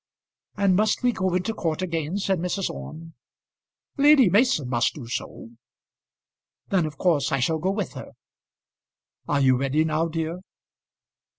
"And must we go into court again?" said Mrs. Orme. "Lady Mason must do so." "Then of course I shall go with her. Are you ready now, dear?"